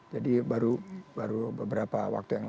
jadi baru beberapa waktu yang lalu